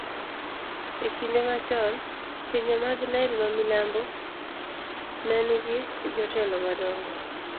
e kinde machon, pinje mag Nile mamilambo ne nigi jotelo madongo.